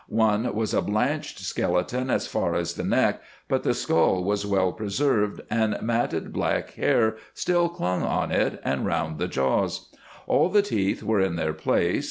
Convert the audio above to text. One was a blanched skeleton as far as the neck, but the skull was well preserved, and matted black hair still clung on it and round the jaws. All the teeth were in their place.